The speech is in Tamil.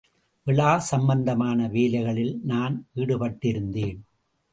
விழா சம்பந்தமான வேலைகளில் நான் ஈடுபட்டிருந்தேன்.